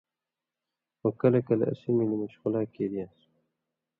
خو کلہۡ کلہۡ اسی ملی مشقلا کیریان٘س